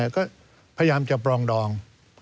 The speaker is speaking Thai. ก็พยายามจะปรองดอง